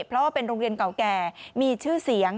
เพราะว่าเป็นโรงเรียนเก่าแก่มีชื่อเสียง